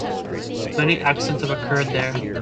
Many accidents have occurred there.